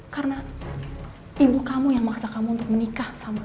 karena ibu kamu yang maksa kamu untuk menikah sama aku